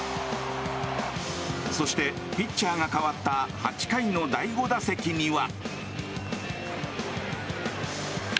そして、ピッチャーが代わった８回の第５打席には。